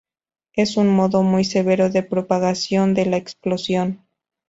Es un modo muy severo de propagación de la explosión.